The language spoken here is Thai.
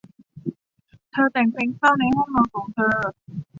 เธอแต่งเพลงเศร้าในห้องนอนของเธอ